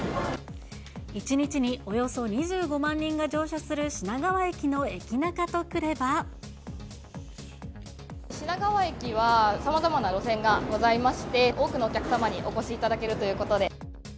１日におよそ２５万人が乗車品川駅は、さまざまな路線がございまして、多くのお客様にお越しいただけるということで。